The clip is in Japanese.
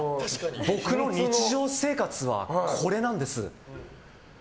僕の日常生活は、これなんです。